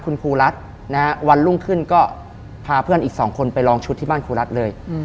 อยู่ที่บ้านครูรัฐเลย